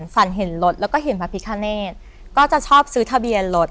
ฝันเห็นรถแล้วก็เห็นพระพิคเนธก็จะชอบซื้อทะเบียนรถ